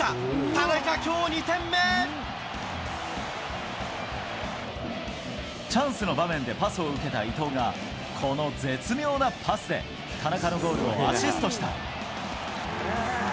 田中、チャンスの場面でパスを受けた伊東が、この絶妙なパスで田中のゴールをアシストした。